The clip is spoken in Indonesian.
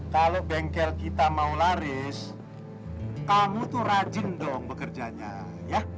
kalau bengkel kita mau laris kamu tuh rajin dong bekerjanya ya